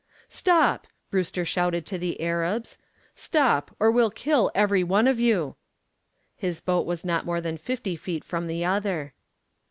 "Stop!" Brewster shouted to the Arabs. "Stop, or we'll kill every one of you!" His boat was not more than fifty feet from the other.